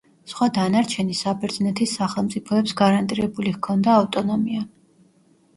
სხვა დანარჩენი საბერძნეთის სახელმწიფოებს გარანტირებული ჰქონდა ავტონომია.